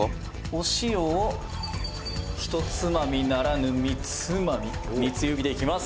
「お塩を１つまみならぬ３つまみ三つ指でいきます！